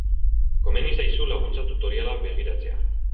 Komeni zaizu laguntza tutoriala begiratzea.